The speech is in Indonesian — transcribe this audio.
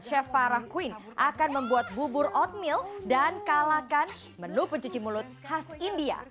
chef farah queen akan membuat bubur oatmeal dan kalahkan menu pencuci mulut khas india